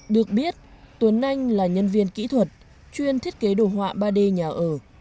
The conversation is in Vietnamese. được biết tuấn anh là nhân viên kỹ thuật chuyên thiết kế đồ họa ba d nhà ở